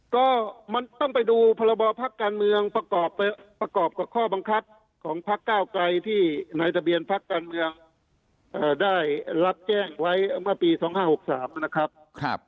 ก็มันต้องไปดูพรบพักการเมืองประกอบกับข้อบังคับของพักเก้าไกรที่ในทะเบียนพักการเมืองได้รับแจ้งไว้เมื่อปี๒๕๖๓นะครับ